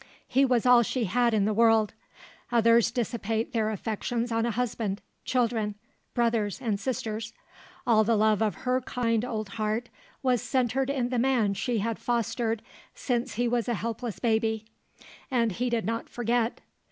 He was all she had in the world; others dissipate their affections on a husband, children, brothers, and sisters; all the love of her kind old heart was centred in the man she had fostered since he was a helpless baby. And he did not forget.